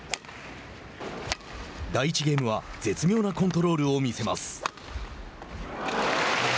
第１ゲームは絶妙なコントロールを見せます。